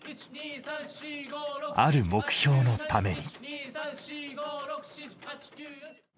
ある目標のために。